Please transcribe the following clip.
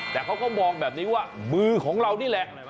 แต่เขาก็มองแบบนี้ว่ามือของเรานี่แหละ